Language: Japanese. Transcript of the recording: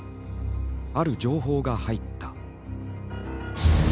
ある情報が入った。